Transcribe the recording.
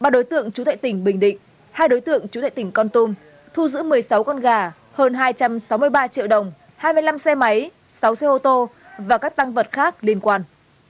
ba đối tượng trú tại tỉnh bình định hai đối tượng chủ tệ tỉnh con tum thu giữ một mươi sáu con gà hơn hai trăm sáu mươi ba triệu đồng hai mươi năm xe máy sáu xe ô tô và các tăng vật khác liên quan